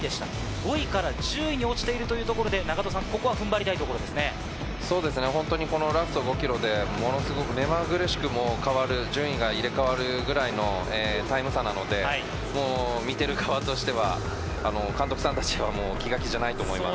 ５位から１０位に落ちているというところで、ながとさん、ここはそうですね、本当にこのラスト５キロでものすごく目まぐるしく変わる、順位が入れ代わるぐらいのタイム差なので、もう見てる側としては、監督さんたちはもう気が気じゃないと思います。